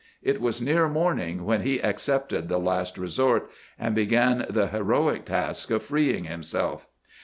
It was near morning when he accepted the last resort, and began the heroic task of freeing himself.